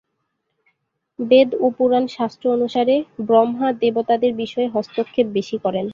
বেদ ও পুরাণ শাস্ত্র অনুসারে, ব্রহ্মা দেবতাদের বিষয়ে হস্তক্ষেপ বেশি করেন।